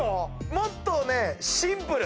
もっとねシンプル。